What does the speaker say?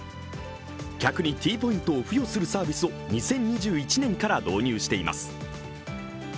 客にＴポイントを付与するサービスを２０２１年から導入しています。